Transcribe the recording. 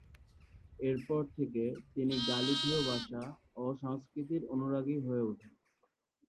এরপর থেকে তিনি গালিথীয় ভাষা ও সংস্কৃতির অনুরাগী হয়ে উঠেন।